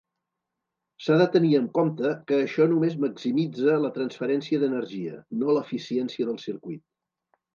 S'ha de tenir en compte que això només maximitza la transferència d'energia, no l'eficiència del circuit.